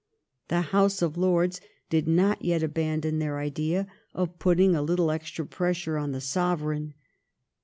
The House of Lords did not yet abandon their idea of putting a little extra pressure on the Sovereign.